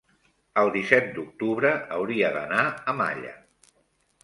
el disset d'octubre hauria d'anar a Malla.